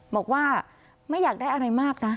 บอกว่าไม่อยากได้อะไรมากนะ